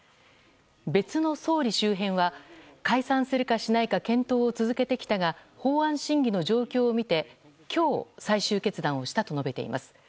別の総理周辺は解散するかしないか検討を続けてきたが法案審議の状況を見て今日、最終決断をしたと述べています。